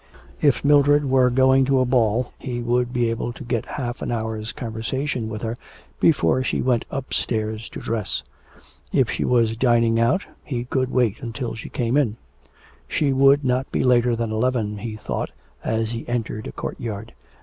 If Mildred were going to a ball he would be able to get half an hour's conversation were her before she went upstairs to dress. If she were dining out, he could wait until she came in. She would not be later than eleven, he thought as he entered a courtyard.